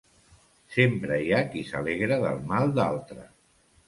Sempre hi ha qui s'alegra del mal d'altre.